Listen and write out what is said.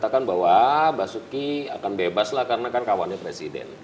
mengatakan bahwa mbak suki akan bebas lah karena kan kawannya presiden